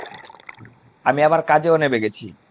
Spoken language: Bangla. আমি আবার কাজেও নেবে গেছি।